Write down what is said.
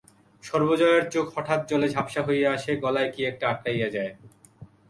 সর্বজয়ার চোখ হঠাৎ জলে ঝাপসা হইয়া আসে, গলায় কি একটা আটকাইয়া যায়!